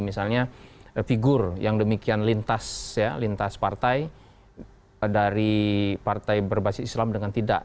misalnya figur yang demikian lintas partai dari partai berbasis islam dengan tidak